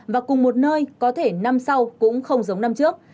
và cùng một nơi có thể năm sau cũng không giống năm trước